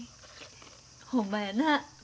ほんまやな。